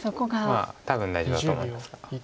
まあ多分大丈夫だと思いますが。